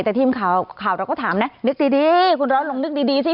แต่ทีมข่าวเราก็ถามนะนึกดีคุณร้อยลองนึกดีสิ